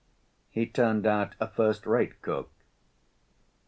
He turned out a first‐rate cook.